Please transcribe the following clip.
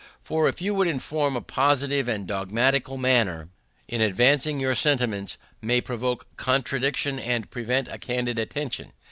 For, if you would inform, a positive and dogmatical manner in advancing your sentiments may provoke contradiction and prevent a candid attention.